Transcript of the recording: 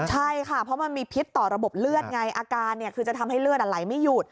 ใช่ค่ะเพราะมันมีพิษต่อระบบเลือดไงอาการคือจะทำให้เลือดไหลไม่หยุด